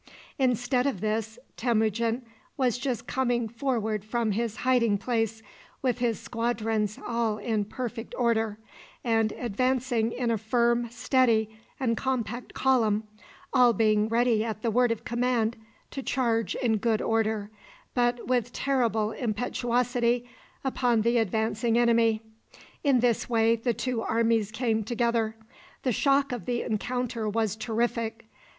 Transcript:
Instead of this, Temujin was just coming forward from his hiding place, with his squadrons all in perfect order, and advancing in a firm, steady, and compact column, all being ready at the word of command to charge in good order, but with terrible impetuosity, upon the advancing enemy. In this way the two armies came together. The shock of the encounter was terrific.